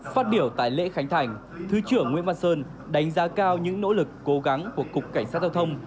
phát biểu tại lễ khánh thành thứ trưởng nguyễn văn sơn đánh giá cao những nỗ lực cố gắng của cục cảnh sát giao thông